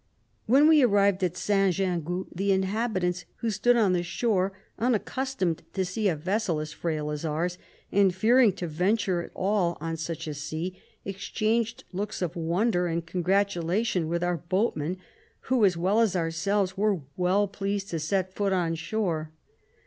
When we arrived at St. Gingoux, the inhabitants, who stood on the shore, unaccustomed to see a vessel as frail as our's, and fearing to venture at all on such a sea, exchanged looks of wonder and congratulation with our boatmen, who, as well as ourselves, were well pleased to set foot on shore.